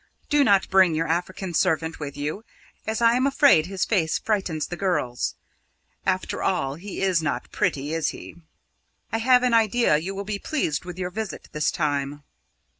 Do not bring your African servant with you, as I am afraid his face frightens the girls. After all, he is not pretty, is he? I have an idea you will be pleased with your visit this time.